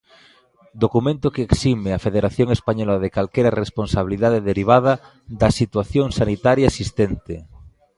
Documento que exime a Federación Española de calquera responsabilidade derivada da situación sanitaria existente.